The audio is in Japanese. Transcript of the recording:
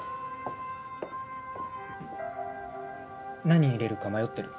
何入れるか迷ってる？